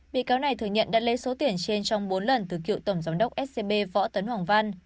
bị cáo này thừa nhận đã lấy số tiền trên trong bốn lần từ cựu tổng giám đốc scb võ tấn hoàng văn